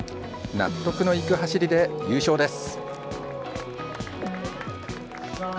納得のいく走りで優勝です。